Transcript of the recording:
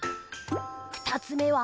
２つ目は。